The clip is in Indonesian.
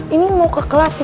ini mau ke kelas ya